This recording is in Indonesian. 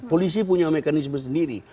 polisi punya mekanisme sendiri